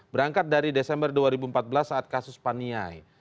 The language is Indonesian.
berangkat dari desember dua ribu empat belas saat kasus paniai